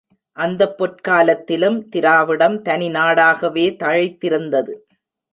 அந்தப் பொற்காலத்திலும் திராவிடம் தனி நாடாகவே தழைத்திருந்தது.